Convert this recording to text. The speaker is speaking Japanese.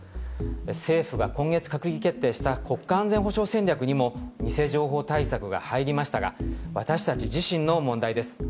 政府が今月閣議決定した国家安全保障戦略にも、偽情報対策が入りましたが、私たち自身の問題です。